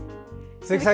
鈴木さん